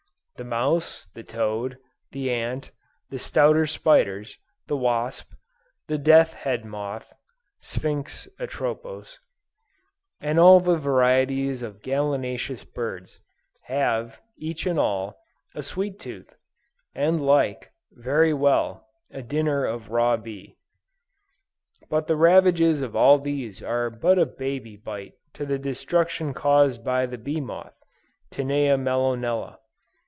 The mouse, the toad, the ant, the stouter spiders, the wasp, the death head moth, (Sphinx atropos,) and all the varieties of gallinaceous birds, have, each and all, "a sweet tooth," and like, very well, a dinner of raw bee. But the ravages of all these are but a baby bite to the destruction caused by the bee moth, (Tinea mellonella.)